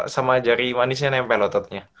sama jari manisnya nempel ototnya